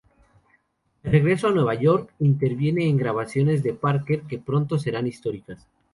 De regreso a Nueva York, interviene en grabaciones de Parker que pronto serán históricas.